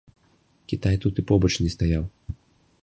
Кітай тут і побач не стаяў!